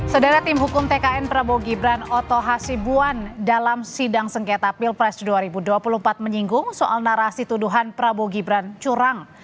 saudara tim hukum tkn prabowo gibran oto hasibuan dalam sidang sengketa pilpres dua ribu dua puluh empat menyinggung soal narasi tuduhan prabowo gibran curang